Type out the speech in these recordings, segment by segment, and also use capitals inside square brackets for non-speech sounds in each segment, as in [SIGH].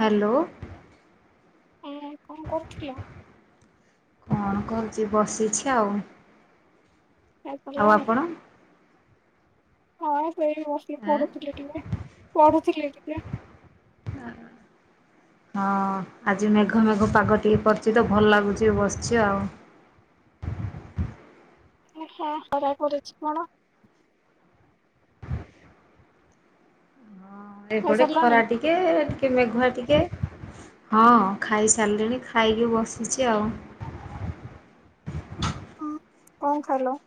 Hello. ହଁ କଁ କରୁଥିଲ? କଣ କରୁଚି ବସିଛି ଆଉ। ଆଉ ଖାଇସାରିଲଣି? ଆପଣ? ହଁ। ଏଇ ବସିକି ଆଁ ପଢୁଥିଲି ଟିକେ ପଢୁଥିଲି। ଟିକେ ହଁ ଆଜି ମେଘ ମେଘ ପାଗ ଟିକେ କରିଚି ତ ଭଲ ଲାଗୁଚି ବସିଚି ଆଉ। ଓ ହଁ ଖରା ପଡ଼ୁଚି କଣ? ହଁ ଏଇପଟେ ଖାଇସାରିଲଣି? ଖରା ଟିକେ ଟିକେ ମେଘୁଆ ଟି ଟେ ହଁ ଖାଇସାରିଲିଣି ଖାଇକି ବସିଚି ଆଉ। ହଁ କଁ କଣ ଖାଇଲ?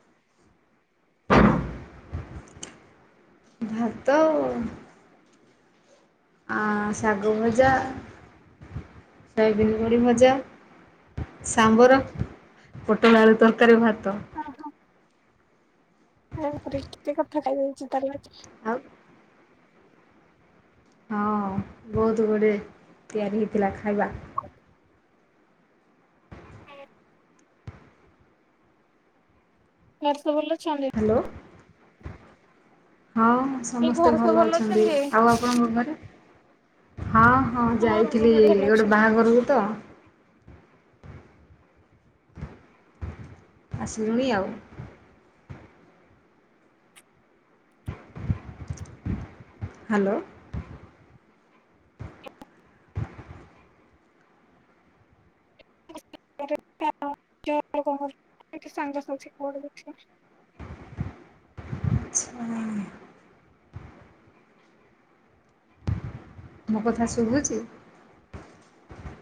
ଭାତ ଆ ଶାଗ ଭଜା ଶୋୟାବିନ ବଡ଼ି ଭଜା ସାମ୍ବର ପୋଟଳ ଆଳୁ ତରକାରୀ ଭାତ। ହଁ ହଁ। ଆ ପରି କିତେ କଥା କାଇହୋଉଛି ତାଲେ ଆଉ ହଁ ବୋହୁତ ଗୁଡିଏ ତିଆରି ହେଇଥିଲା ଖାଇବା। ୱାର୍ସ ବଲ ହାଲୋ। ହଁ ଏଇ ସମସ୍ତେ ଘରେ ସବୁ ଭଲ ଅଛନ୍ତି। ଆଉ ଆପଣଙ୍କ ଘରେ? ହଁ ହଁ ଆମ ଯାଇଥିଲି ଘରେ ଭଲ ଗୋଟେ ଅଛନ୍ତି। ବାହାଘରୁକୁ ତ। ଆସିଲୁଣି ଆଉ। ହାଲୋ। ନମସ୍କାର [UNINTELLIGIBLE] ମୋ କଥା ଶୁଭୁଛି?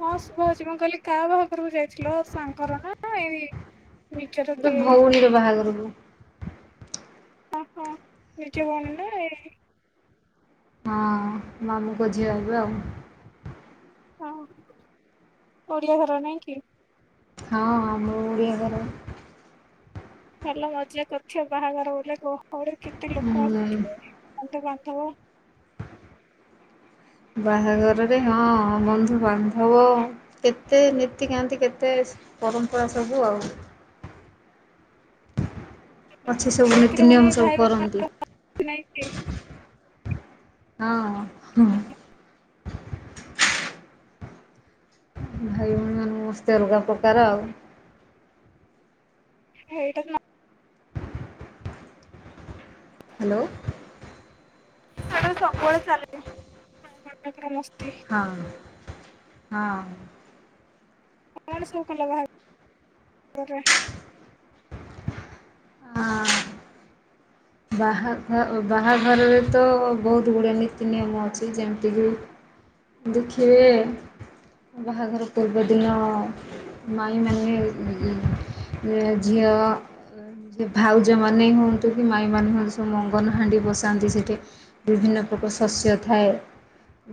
ହଁ ଶୁଭାଯାଉଛି ମୁଁ କହିଲି କାହା ବାହାଘରକୁ ଯାଇଥିଲ ସାଙ୍ଗ ର ନା ଏଇ ନିଜର ଗୋଟେ କିଏ? ଭଉଣୀର ବାହାଘରକୁୁ। ଓ ହୋ ନିଜ ଭଉଣୀ ନା ଏଇ ହଁ ମାମୁ ଙ୍କ ଝିଅ ହେବେ ଆଉ। ହଁ ଓଡିଆ ଘର ନାଇଁ କି? ହଁ ଆମ ଓଡ଼ିଆ ଘର। ଭଲ ମଜା କରୁଥିବ ବାହାଘର ବୁଲିଆକୁ। ଘରେ କେତେ ଲୋକ ହୁଁ ଆସିଥିବେ ବନ୍ଧୁ ବାନ୍ଧବ ତୁ ବାହାଘର ରେ ହଁ ବନ୍ଧୁବାନ୍ଧବ କେତେ ନୀତିକାନ୍ତି କେତେ ପରମ୍ପରା ସବୁ ଆଉ। ଅଛି ସବୁ ହେଇଥିରେ ପୁଣି ନୀତିନିୟମ ସବୁ ଭାଇ କରନ୍ତି। ଭଉଣୀ ନାଇଁ କି ହଁ ହୁଁ। ଭାଇ ଭଉଣୀ ମାନେ [UNINTELLIGIBLE] ଅଲଗା ପ୍ରକାର ଆଉ। ହେଇଟା ନା ହାଲୋ। ଏଇ [UNINTELLIGIBLE] ସବୁ ବେଳେ ଚାଲେଇ [UNINTELLIGIBLE] ହଁ। ହଁ। କଣ ସବୁ କଲ ବାହାଘରରେ? ଆଁ ବାହାଘ ବାହାଘରରେ ତ ବହୁତ ଗୁଡ଼ାଏ ନୀତି ନିୟମ ଅଛି ଯେମିତିକି ଦେଖିବେ ବାହାଘର ପୂର୍ବଦିନ ମାଇଁ ମାନେ ଉ ଝିଅ ଅ ଭାଉଜମାନେ ହୁଅନ୍ତୁ ମାଇଁ ମାନେ ସବୁ ମଙ୍ଗନ ହାଣ୍ଡି ବସାନ୍ତି ସେଠି ବିଭିନ୍ନ ପ୍ରକାର ଶସ୍ୟ ଥାଏ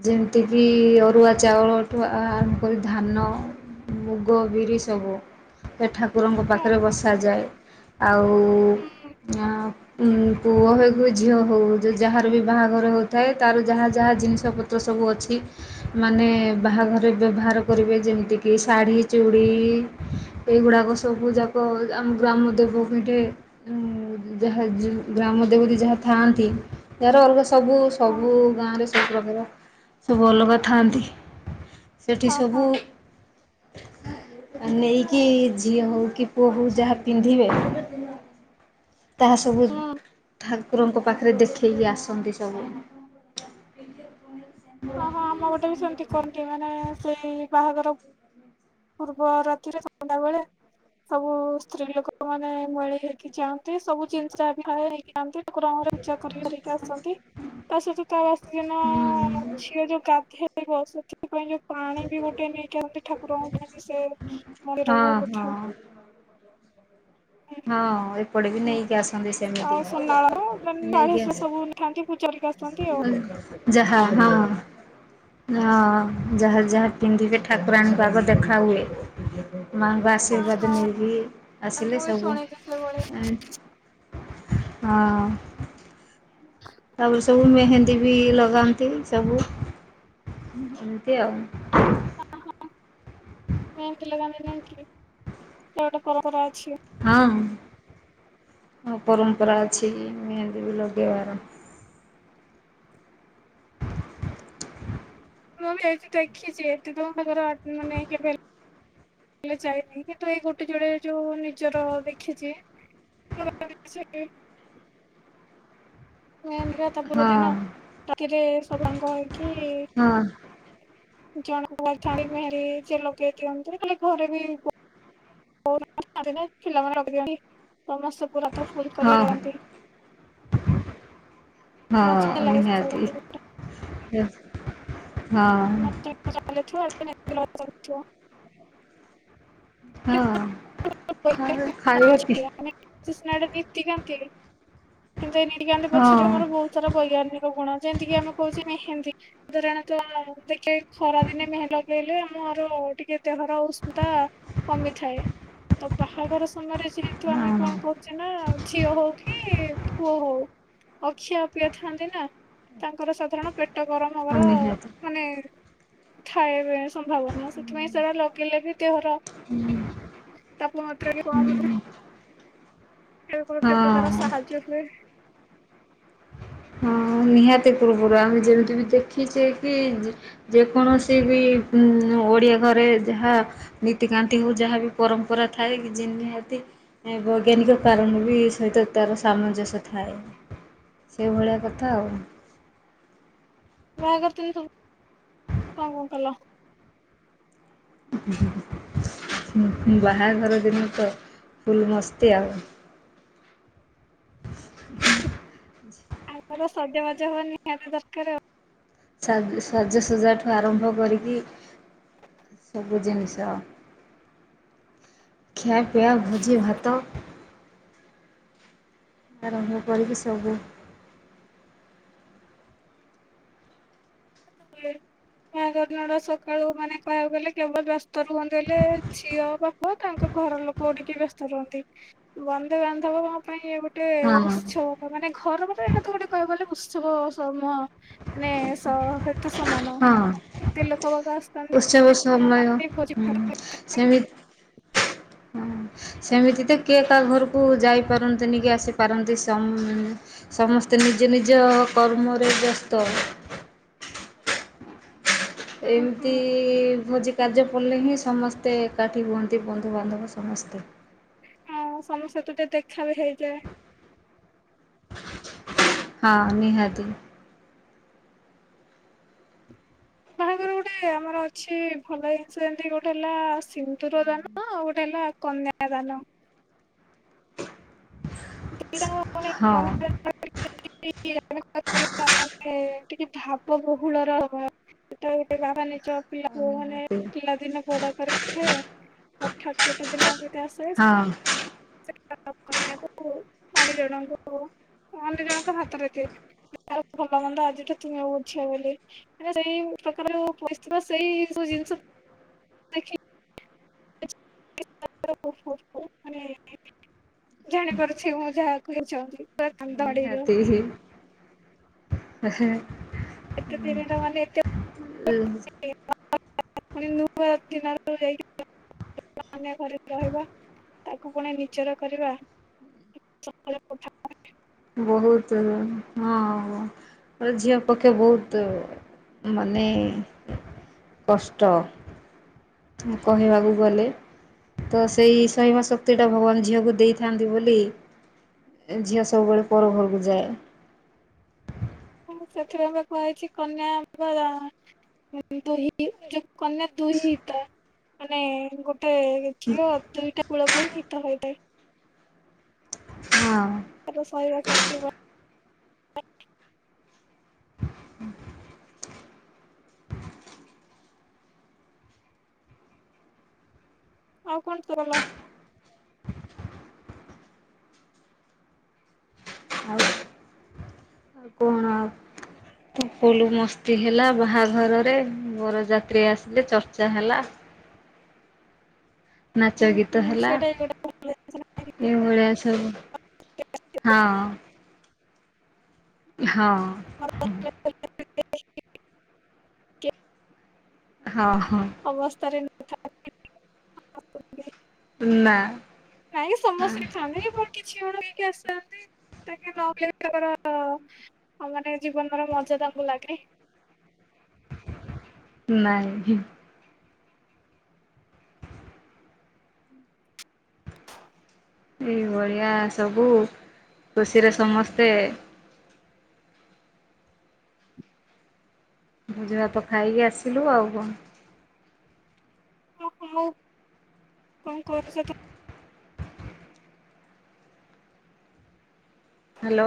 ଯେମିତିକି ଅରୁଆ ଚାଉଳଠୁ ଆରମ୍ଭ କରି ଧାନ ମୁଗ ବିରି ସବୁ ଏଠା ଠାକୁରଙ୍କ ହଁ ପାଖରେ ହଁ ବସାଯାଏ ଆଉ ହଁ ଆଁ ପୁଅ ହେଉ କି ଝିଅ ହେଉ ଯେ ଯାହାର ବି ବାହାଘର ହେଉଥାଏ ତାର ଯାହା ଯାହା ଜିନିଷ ପତ୍ର ସବୁ ଅଛି ମାନେ ବାହାଘରେ ବ୍ୟବହାର କରିବେ ଯେମିତିକି ଶାଢ଼ୀ ଚୁଡ଼ି ଏଗୁଡ଼ାକ ସବୁ ଯାକ ଆମ ଗ୍ରାମ ଦେବ ପିଠେ ଯାହା ଯ ଗ୍ରାମ ଦେବତୀ ଯାହା ଥାଆନ୍ତି ତହାର ଅଲଗା ସ ସବୁ ହଁ ସବୁ ଗାଁରେ ସବୁ ପ୍ରକାର ସବୁ ଅଲଗା ଥାଆନ୍ତି। ସେଠି ହଁ ହଁ। ସବୁ ଆ ନେଇକି ଝିଅ ହଉ କି ପୁଅ ହଉ ଯାହା ପିନ୍ଧିବେ ତାହା ସବୁ ହୁଁ ଠାକୁରଙ୍କ ପାଖରେ ଦେଖେଇକି ଆସନ୍ତି ସବୁ। ହଁ ହଁ ଆମ ପେଟେ ବି ସେମତି କରନ୍ତି ମାନେ ସେଇ ବାହାଘର ପୂର୍ବ ରାତିରେ ସନ୍ଧ୍ୟା ବେଳେ ସବୁ ସ୍ତ୍ରୀ ଲୋକ ମାନେ ମଳି ହେଇକି ଯାଆନ୍ତି ସବୁ ଜିନିଷ ବି ହଁ ନେଇକି ଯାଆନ୍ତି। ଠାକୁରଙ୍କ ର ପୂଜା କରି କରିକି ଆସନ୍ତି ତା ସହିତ ତା ବାସି ଦିନ ହୁଁ ଯୋଉ ଗାଧେଇବ ସେଥିପାଇଁ ଯୋଉ ପାଣି ବି ଗୋଟେ ନେଇକି ଆନ୍ତି ଠାକୁରଙ୍କ ପାଣି ସେ ହଁ ମନ୍ଦିରରୁ ହଁ ବୋଧେ ହଁ। ଏପଟେ ବି ନେଇକି ଆସନ୍ତି ସେମିତି ଆଉ ସୁନାଳ ନେଇକି ଆସ ସବୁ ଥାନ୍ତି ପୂଜା କରିକି ଆସନ୍ତି ଆଉ। ଉଁ ଯାହା ହଁ। ହଁ ଯାହା ଯାହା ପିନ୍ଧିବେ ଠାକୁରାଣୀଙ୍କୁ ଆଗ ଦେଖା ହୁଏ। ମାଙ୍କ ଆଶୀର୍ବାଦ ନେଇକି ଆସିଲେ ସବୁ ଶୁଣେ ଯେତେବଳେ ହଁ। ତାପରେ ସବୁ ମେହେନ୍ଦୀ ବି ଲଗାନ୍ତି ସବୁ ଏମିତି ଆଉ। ହଁ ହଁ ମେହେନ୍ଦୀ ଲଗାନ୍ତି ନାଇକି ଏଗୋଟେ ପରମ୍ପରା ଅଛି। ହଁ। ହଁ ପରମ୍ପରା ଅଛି ମେହେନ୍ଦୀ ବି ଲଗେଇବାର। ମୁଁ ବି ଏଇଠି ଦେଖିଛି ଏଠି ତ ତାଙ୍କର ଆ ମାନେ କେବେ ହେଲେ ଯାଇନି କିନ୍ତୁ ଏଇ ଗୋଟେ ଜୋଡେ ଯୋଉ ନିଜର ଦେଖିଛି [UNINTELLIGIBLE] ମେହେନ୍ଦୀ ତା ପୂର୍ବ ଦିନ ହଁ ରାତିରେ ସବୁ ସାଙ୍ଗ ହେଇକି ହଁ ଜଣଙ୍କୁ [UNINTELLIGIBLE] ସେ ଲଗେଇ ଦିଅନ୍ତି ନହଲେ ଘରେ ବି [UNINTELLIGIBLE] ଦିଅନ୍ତି। ସମସ୍ତେ ପୁରାତ ଫୁଲ କରି ହଁ ଲଗାନ୍ତି। ମଜା ହଁ ଲାଗେ ନିହାତି। ଏବ୍ [UNINTELLIGIBLE] ଯାହା ଲେଖିବ [UNINTELLIGIBLE] ହଁ ଖାଇ ଖାଇଆ ପି ସିଏ ସିନା ଗୋଟେ ଭିତ୍ତି କାନ୍ତି କିନ୍ତୁ ଏ ରିଡି କାନ୍ତି ହଁ ପଛରେ ମୋର ବହୁତ ସାରା ବୈଜ୍ଞାନିକ ଗୁଣ। ଯେନ୍ତିକି ଆମେ କହୁଛେ ନାଇଁ ହେନ୍ତି ସାଧାରଣତଃ ଦେଖେଇ ଖରାଦିନେ ମେହେ ଲଗେଇଲେ, ଆମର ଟିକେ ଦେହର ଉଷ୍ଣତା କମିଥାଏ। ତ ବାହାଘର ସମୟରେ ଯେହେତୁ ଆମେ ହଁ। କଣ କହୁଛେ ନା, ଝିଅ ହଉ କି କି ପୁଅ ହଉ, ଅଖିଆ ଅପିଆ ଥାଆନ୍ତି ନା। ତାଙ୍କର ସାଧାରଣ ପେଟ ଟ ଗରମ ହବାର ହଁ ନିହାତି ମାନେ ଥାଏ ବେ ସମ୍ଭାବନା। ସେଥିପାଇଁ ସେଟା ଲଗେଇଲେ ବି ଦେହର ତାପମାତ୍ରା ବି କମ ରୁହେ। ସିଏ ବି ଗୋଟେ ପ୍ରକାର ହଁ। ସାହାଯ୍ୟ ହୁଏ। ହଁ ନିହାତି ପୂର୍ବୁରୁ। ଆମେ ଯେମିତି ବି ଦେଖିଛେ କି, ଯେ-ଯେକୌଣସି ବି ଉଁ ଓଡ଼ିଆ ଘରେ ଯାହା ନୀତିକାନ୍ତି ହଉ ଯାହା ବି ପରମ୍ପରା ଥାଏ କି, ଯେ ନିହାତି ବୈଜ୍ଞାନିକ କାରଣରୁ ବି ସହିତ ତାର ସାମଞ୍ଜସ୍ୟ ଥାଏ। ସେଇଭଳିଆ କଥା ଆଉ। ଯାହା କରୁଥିନି ସବୁ, କଣ କଣ କଲ? ଉଁ-ହୁଁ-ହୁଁ-ଉଁ ବାହାଘର ଦିନ ତ ଫୁଲ ମସ୍ତି ଆଉ। ଆମର ସଜବାଜ ହବା ନିହାତି ଦରକାର ଆଉ। ସାଜ୍ ସାଜସଜ୍ଜାଠୁ ଆରମ୍ଭ କରିକି ସବୁ ଜିନିଷ। ଖିଆପିଆ, ଭୋଜିଭାତ ଆରମ୍ଭ କରିକି ସବୁ ହୁଏ। ବାହାଘର ଦିନଟା ସକାଳୁ ମାନେ କହିଆକୁ ଗଲେ କେବଳ ବ୍ୟସ୍ତ ରୁହନ୍ତି ବଲେ ଝିଅ ବାପ, ତାଙ୍କ ଘର ଲୋକ ଟିକେ ବ୍ୟସ୍ତ ରୁହନ୍ତି। ବନ୍ଧୁବାନ୍ଧବଙ୍କ ପାଇଁ ଗୋଟେ ହଁ ଉତ୍ସବକ। ମାନେ ଘର ମାନେ ଏଇଟା ତ ଗୋଟେ କହିଆକୁ ଗଲେ ଉତ୍ସ ଉତ୍ସବ ସମୂହ। ମାନେ ସ ହେ ସମାନ। ହଁ ଏତେ ଲୋକବାକ ଆସିଥାନ୍ତି ଉତ୍ସବ ସମୟ ଭୋଜି ସେମିତି ହଁ ସେମିତି ତ କିଏ କାହା ଘରକୁ ଯାଇପାରନ୍ତିନି କି ଆସିପାରନ୍ତି ସମସ୍ତେ ନିଜ ନିଜ କର୍ମରେ ବ୍ୟସ୍ତ ହୁଁ ହୁଁ ଏମିତି ଭୋଜି କାର୍ଯ୍ୟ ପଡ଼ିଲେ ହିଁ ସମସ୍ତେ ଏକାଠି ହୁଅନ୍ତି ବନ୍ଧୁବାନ୍ଧବ ସମସ୍ତେ ସମସ୍ତେ ସହିତ ଟିକେ ଦେଖା ବି ହେଇଯାଏ। ହଁ ନିହାତି। ବାହାଘର ଗୋଟେ ଆମର ଅଛି ଭଲ ଜିନିଷ ଯେମିତି ଗୋଟେ ହେଲା ସିନ୍ଦୁର ଦାନ ଆଉ ଗୋଟେ ହେଲା କନ୍ୟା ଦାନ। ହଁ [UNINTELLIGIBLE] ଟିକେ ଭାବ ବହୁଳ ର ସେଟ ଗୋଟେ ଭାବ ନାହିଁ ଯୋଉ ପିଲାକୁ ମାନେ ନିହାତି ପିଲା ଦିନ ବଡ କରିଥାଏ ଆଉ ଛୋଟ ଗୋଟେ ଦିନ ଏମତି ଆସେ ହଁ। [UNINTELLIGIBLE] ଅନ୍ୟ ଜଣଙ୍କୁ ଅନ୍ୟ ଜଣଙ୍କ ହାତରେ ଦିଏ ଭଲ ମନ୍ଦ ଆଜିଟା ତୁମେ ଆଉ ବୁଝିବ ବୋଲି ସେଇ ପ୍ରକାର ପଇସା ସେଇ ଯୋଉ ଜିନିଷ ଦେଖ ଜାଣିପାରୁଛି ମୁଁ ଯାହା କହିଛନ୍ତି ପୁରା କାନ୍ଦ ମାଡ଼ିବ। ଆଚ୍ଛା ଏତେ ଧୀରେ ର ମାନେ ଏତେ ହୁଁ [UNINTELLIGIBLE] ଫୁଣି ନୂଆ ଦିନକି ଘରେ ରହିବା ତାକୁ ପୁଣି ନିଜର କରିବା ବହୁତ ହଁ ମୋର ଝିଅ ପକ୍ଷେ ବହୁତ ମାନେ କଷ୍ଟ କହିବାକୁ ଗଲେ ତ ସେଇ ସହିବା ଶକ୍ତିଟା ଭଗବାନ ଝିଅକୁ ଦେଇଥାନ୍ତି ବୋଲି ଝିଅ ସବୁବେଳେ ପର ଘରକୁ ଯାଏ। ମୁଁ ସେଥିପାଇଁ ବା କୁହାଯାଇଛି କନ୍ୟା ବା ଦୁହି କନ୍ୟା ଦୁହିତା। ମାନେ ଗୋଟେ ଝିଅ ଦୁଇଟା କୂଳକୁ ହିଁ ଭଲ ହୋଇଥାଏ। ହଁ ଆଉ [UNINTELLIGIBLE] ଆଉ କଣ ଟା ରହିଲା ଫୁଲୁ ମସ୍ତି ହେଲା ବାହାଘରରେ ବରଯାତ୍ରୀ ଆସିଲେ ଚର୍ଚ୍ଚା ହେଲା ନାଚ ହୁଁ ଗୀତ ହୁଁ ହେଲା ସେଇଟା ବି ଗୋଟେ ଏଭଳିଆ ସବୁ ହଁ। ହଁ ହଁ। [UNINTELLIGIBLE] ହଁ ହଁ ା [UNINTELLIGIBLE] ନାଆ ନାଇଁ ସମସ୍ତ ଫ୍ୟାମିଲି ମୋର କିଛିମାନେ ଆସିଥାନ୍ତି ତାକେ ନହଲେ ତାଙ୍କର ମାନେ ଜୀବନର ମଜା ତାଙ୍କୁ, ଲାଗେ ନାଇଁ, ଏଇ ଭଳିଆ ସବୁ ଖୁସିରେ ସମସ୍ତେ ଭୋଜିଭାତ ଖାଇକି ଆସିଲୁ ଆଉ କଣ? ହଉ ମୁଁ କଣ କରୁଛ ତୁ? ହ୍ୟାଲୋ